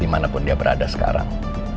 dimana pun dia berada sekarang